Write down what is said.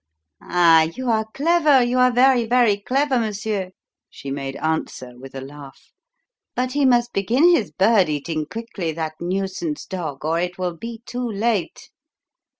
"Ah, you are clever you are very, very clever, monsieur," she made answer, with a laugh. "But he must begin his bird eating quickly, that nuisance dog, or it will be too late.